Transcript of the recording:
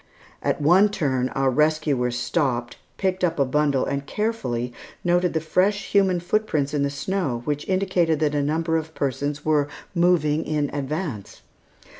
At one turn our rescuers stopped, picked up a bundle, and carefully noted the fresh human foot prints in the snow which indicated that a number of persons were moving in advance.